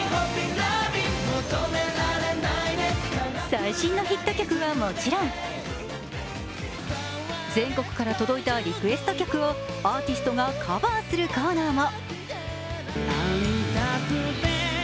最新のヒット曲はもちろん全国から届いたリクエスト曲をアーティストがカバーするコーナーも。